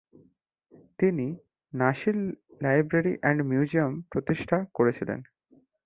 তিনি "Nasir library and museum" প্রতিষ্ঠা করেছিলেন।